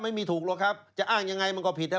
ไม่มีถูกหรอกครับจะอ้างยังไงมันก็ผิดนะ